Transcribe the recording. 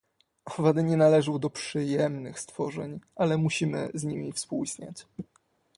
Owady nie należą do przyjemnych stworzeń, ale musimy z nimi współistnieć